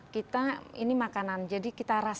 kita ini makanan jadi kita rasa